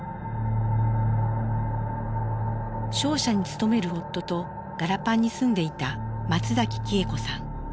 商社に勤める夫とガラパンに住んでいた松崎喜恵子さん。